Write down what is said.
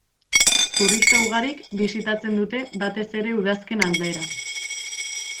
Turista ugarik bisitatzen dute batez ere udazken aldera.